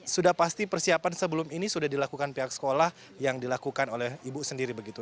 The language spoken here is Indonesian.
sudah pasti persiapan sebelum ini sudah dilakukan pihak sekolah yang dilakukan oleh ibu sendiri begitu